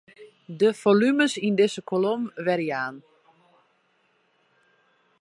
De formules yn dizze kolom werjaan.